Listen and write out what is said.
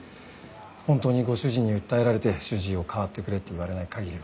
本当にご主人に訴えられて主治医を代わってくれって言われない限りは。